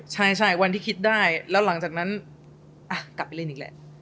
ใช่วันที่คิดได้แล้วหลังจากนั้นอ่ะกลับไปเล่นอีกแหละ